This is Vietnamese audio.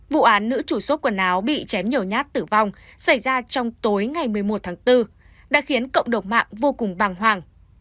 vụ án nữ chủ số quần áo bị chém nhiều nhát tử vong xảy ra trong tối ngày một mươi một tháng bốn đã khiến cộng đồng mạng vô cùng bàng hoàng